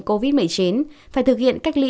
covid một mươi chín phải thực hiện cách lấy